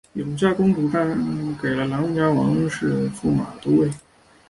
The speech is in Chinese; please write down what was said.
永嘉公主嫁给了琅琊王氏王铨拜驸马都尉。